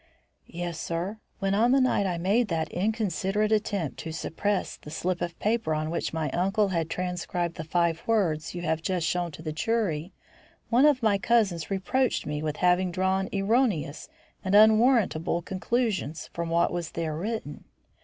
"Yes, sir. When on the night I made that inconsiderate attempt to suppress the slip of paper on which my uncle had transcribed the five words you have just shown to the jury, one of my cousins reproached me with having drawn erroneous and unwarrantable conclusions from what was there written.